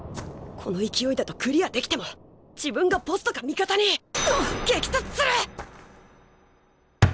この勢いだとクリアできても自分がポストか味方に激突する！